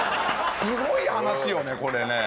すごい話よねこれね。